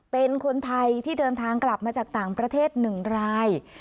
เป็นคนไทยที่เดินทางกลับมาจากต่างประเทศ๑ราย